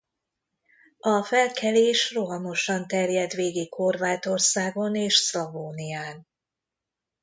A felkelés rohamosan terjedt végig Horvátországon és Szlavónián.